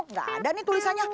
nggak ada nih tulisannya